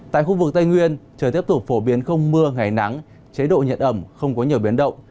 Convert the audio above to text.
tại khu vực tây nguyên trời tiếp tục phổ biến không mưa ngày nắng chế độ nhiệt ẩm không có nhiều biến động